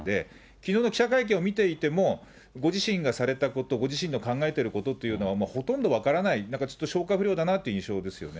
きのうの記者会見を見ていても、ご自身がされたこと、ご自身の考えていることというのは、ほとんど分からない、なんかちょっと消化不良だなって印象ですよね。